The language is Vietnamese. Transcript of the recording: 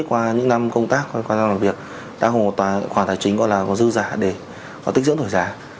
qua những năm công tác qua những năm làm việc đã có một khoản tài chính gọi là dư giả để tích dưỡng tuổi giả